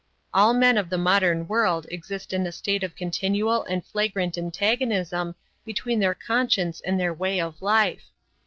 All men of the modern world exist in a state of continual and flagrant antagonism between their conscience and their way of life.